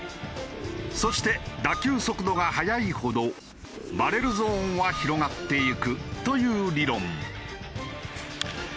そして打球速度が速いほどバレルゾーンは広がっていくという理論。